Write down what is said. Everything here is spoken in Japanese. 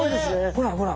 ほらほら